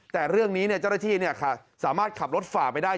แต่เรื่องนี้เจ้าหน้าที่สามารถขับรถฝ่าไปได้